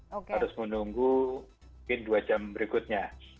harus menunggu mungkin dua jam berikutnya